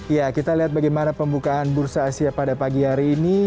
ya kita lihat bagaimana pembukaan bursa asia pada pagi hari ini